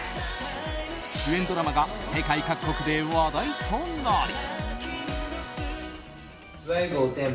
主演ドラマが世界各国で話題となり。